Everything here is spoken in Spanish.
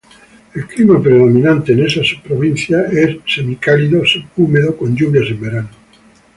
El clima predominante en esa subprovincia es semicálido subhúmedo con lluvias en verano.